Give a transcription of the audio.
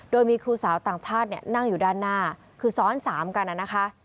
โดยมีครูสาวต่างชาตินั่งอยู่ด้านหน้าคือซ้อน๓กันนะคะ